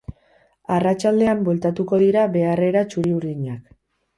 Arratsaldean bueltatuko dira beharrera txuri-urdinak.